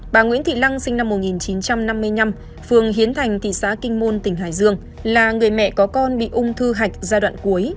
bà nguyễn thị lăng sinh năm một nghìn chín trăm năm mươi năm phường hiến thành thị xã kinh môn tỉnh hải dương là người mẹ có con bị ung thư hạch giai đoạn cuối